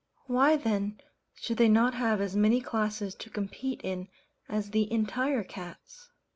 Why then should they not have as many classes to compete in as the "entire" cats?